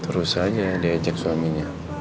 terus aja diajak suaminya